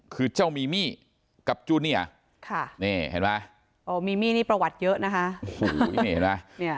คือเจ้ามีมี่กับจูเนี่ยค่ะนี่เห็นป่ะโอ้มีมี่นี่ประวัติเยอะนะฮะ